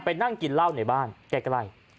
นั่งกินเหล้าในบ้านใกล้